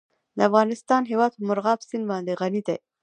د افغانستان هیواد په مورغاب سیند باندې غني دی.